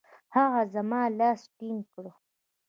هغه زما لاس ټینګ کړ.